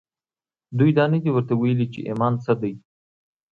دوی دا ورته نه دي ويلي چې ايمان څه دی.